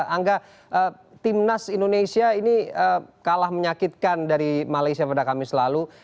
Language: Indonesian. angga timnas indonesia ini kalah menyakitkan dari malaysia pada kamis lalu